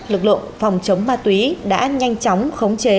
lực lượng phòng chống ma túy đã nhanh chóng khống chế